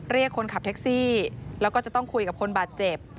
เรียกคนขับแท็กซี่แล้วก็จะต้องคุยกับคนบาดเจ็บ